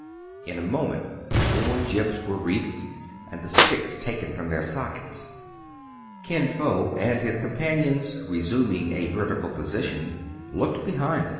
In a moment the four jibs were reefed, and the sticks taken from their sockets. Kin Fo and his companions, resuming a verti cal position, looked behind them.